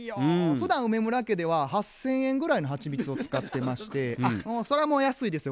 ふだん梅村家では８，０００円ぐらいのはちみつを使ってましてそれはもう安いですよ